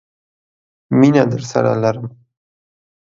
مینه درسره لرم!